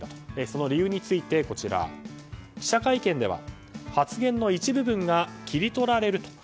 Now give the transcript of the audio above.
その理由は記者会見では発言の一部分が切り取られる。